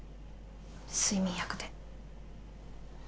睡眠薬で。